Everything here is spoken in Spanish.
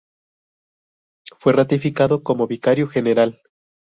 Fue ratificado como Vicario general.